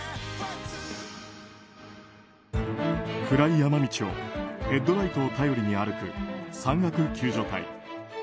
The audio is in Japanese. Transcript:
暗い山道を、ヘッドライトを頼りに歩く山岳救助隊。